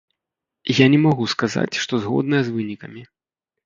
Я не магу сказаць, што згодная з вынікамі.